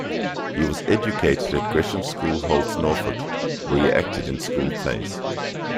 He was educated at Gresham's School, Holt, Norfolk, where he acted in school plays.